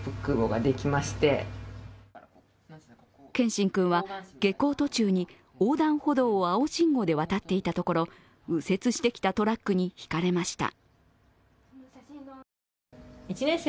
謙真君は下校途中に横断歩道を青信号で渡っていたところ右折してきたトラックにひかれました。